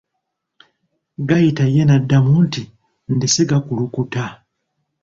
Gayita ye n'addamuu nti, ndesse gakulukuta.